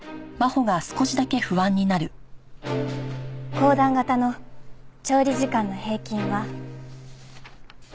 公団型の調理時間の平均は。